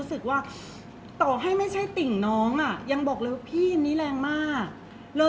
เพราะว่าสิ่งเหล่านี้มันเป็นสิ่งที่ไม่มีพยาน